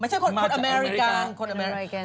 ไม่ใช่คนอเมริกาคนอเมริกา